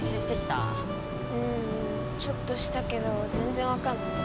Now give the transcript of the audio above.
うんちょっとしたけど全然分かんない